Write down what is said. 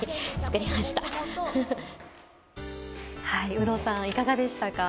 有働さん、いかがでしたか？